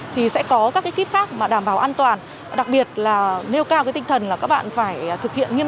thì sẽ có các kiếp khác đảm bảo an toàn đặc biệt là nêu cao tinh thần các bạn phải thực hiện